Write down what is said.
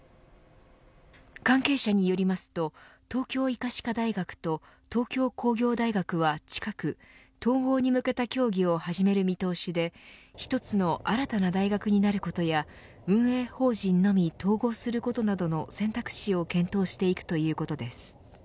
関係者によりますと東京医科歯科大学と東京工業大学は近く統合に向けた協議を始める見通しで一つの新たな大学になることや運営法人のみ統合することなどの選択肢を検討していくということです。